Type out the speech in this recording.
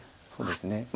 そうですね。